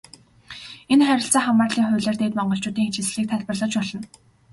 Энэ харилцаа хамаарлын хуулиар Дээд Монголчуудын ижилслийг тайлбарлаж болно.